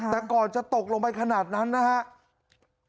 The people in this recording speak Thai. แต่ก่อนจะตกลงไปขนาดนั้นนะครับ